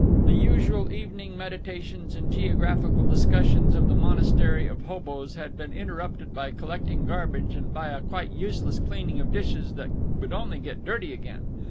The usual evening meditations and geographical discussions of the monastery of hoboes had been interrupted by collecting garbage and by a quite useless cleaning of dishes that would only get dirty again.